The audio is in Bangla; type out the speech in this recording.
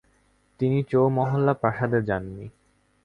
তিনি চৌমহল্লা প্রাসাদে যাননি।